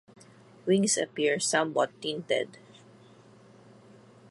Wings appear somewhat tinted.